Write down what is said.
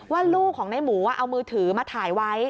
ว่าลูกของในหมูเอามือถือมาถ่ายไว้